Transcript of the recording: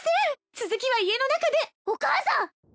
続きは家の中でお母さん！